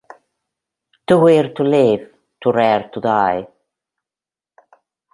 Too Weird to Live, Too Rare to Die!